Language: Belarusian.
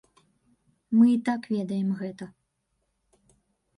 Мы і так ведаем гэта.